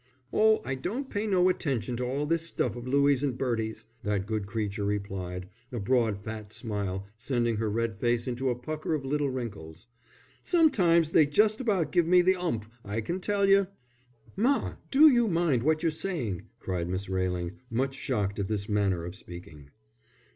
"Oh, I don't pay no attention to all this stuff of Louie's and Bertie's," that good creature replied, a broad fat smile sending her red face into a pucker of little wrinkles. "Sometimes they just about give me the 'ump, I can tell you." "Ma, do mind what you're saying," cried Miss Railing, much shocked at this manner of speaking.